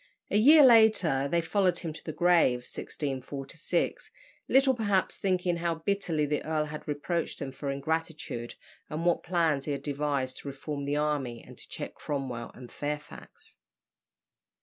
A year later they followed him to the grave (1646), little perhaps thinking how bitterly the earl had reproached them for ingratitude, and what plans he had devised to reform the army and to check Cromwell and Fairfax.